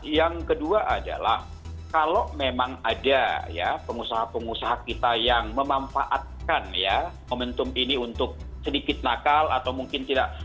yang kedua adalah kalau memang ada ya pengusaha pengusaha kita yang memanfaatkan ya momentum ini untuk sedikit nakal atau mungkin tidak